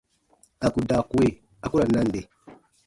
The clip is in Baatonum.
À kun daa kue, a ku ra nande.